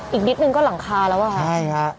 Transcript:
อีกนิดนึงก็หลังคาแล้วอ่ะค่ะใช่ฮะ